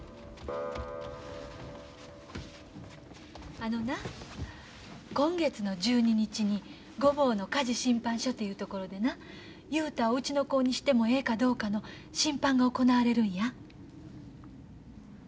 あのな今月の１２日に御坊の家事審判所という所でな雄太をうちの子にしてもええかどうかの審判が行われるんや。